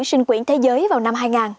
sinh quyển thế giới vào năm hai nghìn